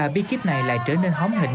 tám mươi ba bí kíp này lại trở nên hóng hình